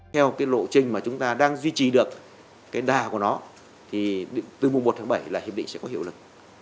theo lộ trình mà chúng ta đang duy trì được đà của nó từ mùa một tháng bảy là hiệp định sẽ có hiệu lực